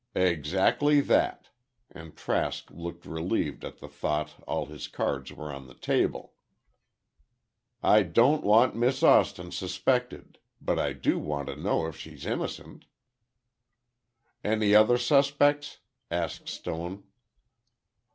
"Exactly that," and Trask looked relieved at the thought all his cards were on the table. "I don't want Miss Austin suspected, but I do want to know if she's innocent." "Any other suspects?" asked Stone.